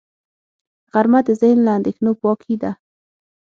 غرمه د ذهن له اندېښنو پاکي ده